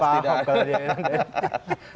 semoga ada pak ahok kalau dia nanti